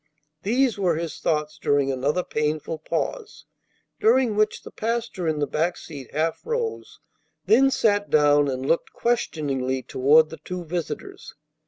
These were his thoughts during another painful pause, during which the pastor in the back seat half rose, then sat down and looked questioningly toward the two visitors.